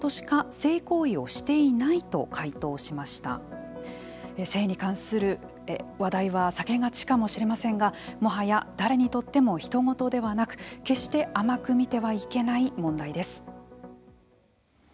性に関する話題は避けがちかもしれませんがもはや誰にとってもひと事ではなく、決して甘く見てはいけない問題です。